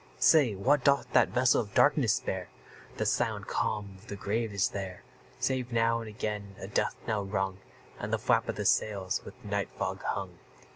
Say, what doth that vessel of darkness bear? The silent calm of the grave is there, Save now and again a death knell rung, And the flap of the sails with night fog hung.